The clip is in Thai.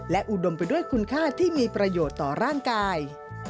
และอุดมไปด้วยคุณค่าที่มีประโยชน์ต่อร่างกาย